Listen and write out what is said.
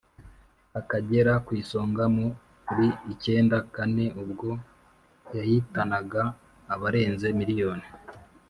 akagera kw'isonga muri icyenda kane ubwo yahitanaga abarenze miliyoni